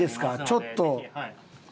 ちょっと。